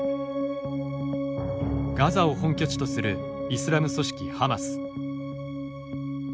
ガザを本拠地とするイスラム組織ハマス。